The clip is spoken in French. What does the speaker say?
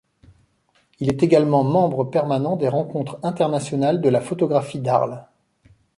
Il est également membre permanent des Rencontres internationales de la photographie d'Arles.